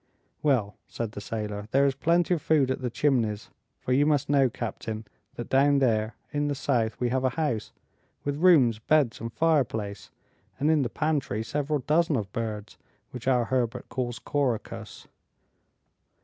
"Well!" said the sailor, "there is plenty of food at the Chimneys, for you must know, captain, that down there, in the south, we have a house, with rooms, beds, and fireplace, and in the pantry, several dozen of birds, which our Herbert calls couroucous.